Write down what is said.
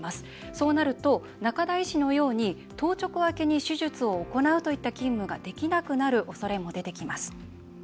そうなると仲田医師のように当直明けに手術を行うといった勤務ができなくなるおそれも出てきます。